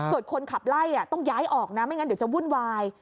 คนขับไล่ต้องย้ายออกนะไม่งั้นเดี๋ยวจะวุ่นวาย